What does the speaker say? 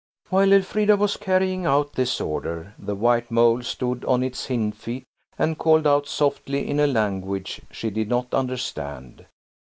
While Elfrida was carrying out this order–the white Mole stood on its hind feet and called out softly in a language she did not understand.